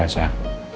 aduh gimana ya